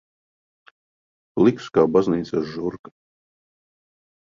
Pliks kā baznīcas žurka.